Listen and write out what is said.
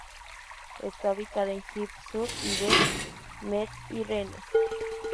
Está ubicada en Gif-sur-Yvette, Metz y Rennes.